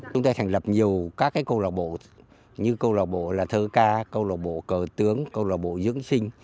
chúng tôi thành lập nhiều các câu lạc bộ như câu lạc bộ là thơ ca câu lạc bộ cờ tướng câu lạc bộ dưỡng sinh